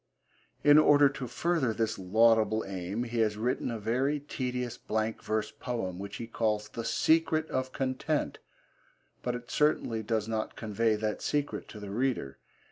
In order to further this laudable aim he has written a very tedious blank verse poem which he calls The Secret of Content, but it certainly does not convey that secret to the reader.